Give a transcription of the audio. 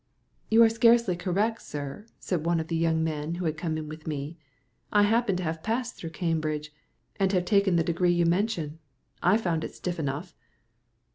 "You are scarcely correct, sir," said one of the young men who came in with me. "I happen to have passed through Cambridge, and have taken the degree you mention. I found it stiff enough."